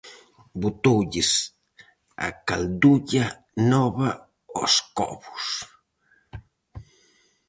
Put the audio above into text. Botoulles a caldulla nova aos covos.